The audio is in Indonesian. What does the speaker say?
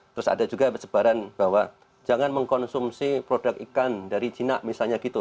terus ada juga sebaran bahwa jangan mengkonsumsi produk ikan dari cina misalnya gitu